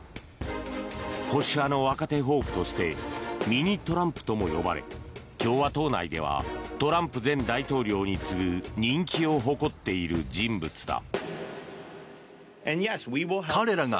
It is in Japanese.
保守派の若手ホープとしてミニトランプとも呼ばれ共和党内ではトランプ前大統領に次ぐ人気を誇っている人物だ。